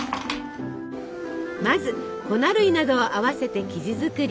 まず粉類などを合わせて生地作り。